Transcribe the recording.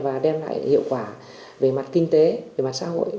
và đem lại hiệu quả về mặt kinh tế về mặt xã hội